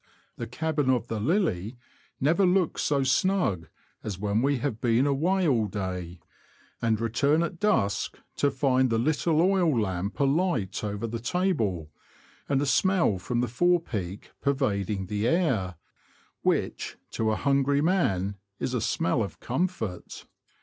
The cabin of the ''Lily" never looks so snug as when we have been away all day, and return at dusk to find the 176 THE LAND OF THE BROADS little oil lamp alight over the table, and a smell from the fore peak pervading the air, which, to a hungry man, is a smell of comfort.